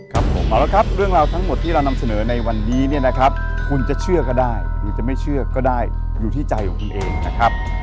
ครับผมเอาละครับเรื่องราวทั้งหมดที่เรานำเสนอในวันนี้เนี่ยนะครับคุณจะเชื่อก็ได้หรือจะไม่เชื่อก็ได้อยู่ที่ใจของคุณเองนะครับ